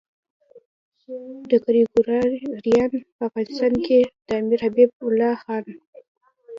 ګریګوریان په افغانستان کې د امیر حبیب الله خان.